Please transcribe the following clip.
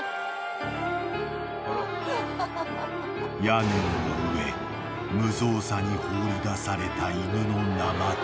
［屋根の上無造作に放り出された］